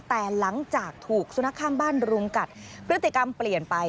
แต่หลังจากถูกสุนัขข้ามบ้านรุมกัดพฤติกรรมเปลี่ยนไป